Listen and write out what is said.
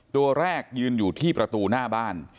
ตัวแรกยืนอยู่ที่ประตูหน้าบ้าน